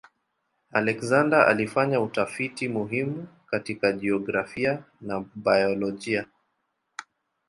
Alexander alifanya utafiti muhimu katika jiografia na biolojia.